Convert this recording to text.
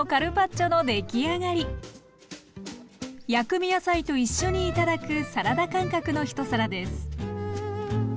薬味野菜と一緒に頂くサラダ感覚の一皿です。